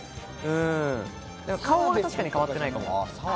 顔は確かに変わってないかも。